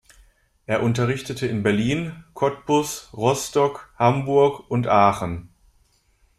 Er unterrichtete in Berlin, Cottbus, Rostock, Hamburg und Aachen.